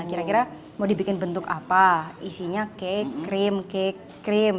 kira kira mau dibikin bentuk apa isinya cake cream cake cream